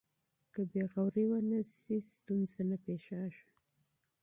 که بې پروايي ونه شي ستونزه نه پېښېږي.